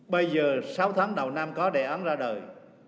bây giờ sáu tháng đầu năm có đề án ra đời